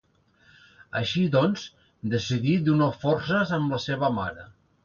Així doncs, decidí d'unir forces amb la seva mare.